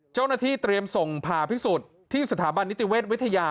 เจ้าหน้าที่เตรียมส่งผ่าพิสูจน์ที่สถาบันนิติเวชวิทยา